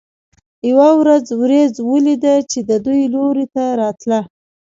یوه ورځ ورېځ ولیده چې د دوی لوري ته راتله.